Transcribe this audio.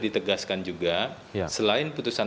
ditegaskan juga selain putusan